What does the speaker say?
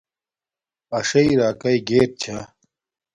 اݽݵ راکاݵ گیٹ چھا